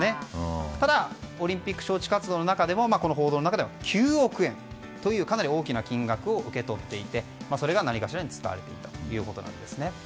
ただオリンピック招致活動の中でもこの報道の中では９億円というかなり大きな金額を受け取っていてそれが何かしらに使われていたということです。